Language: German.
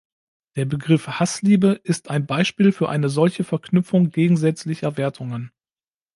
Der Begriff „Hassliebe“ ist ein Beispiel für eine solche Verknüpfung gegensätzlicher Wertungen.